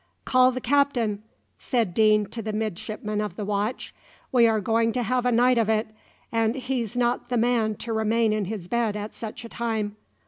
"Call the captain!" said Deane to the midshipmen of the watch. "We are going to have a night of it, and he's not the man to remain in his bed at such a time.